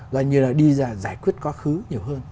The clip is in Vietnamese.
coi như là đi ra giải quyết quá khứ nhiều hơn